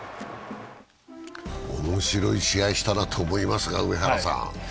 面白い試合をしたなと思いますが上原さん。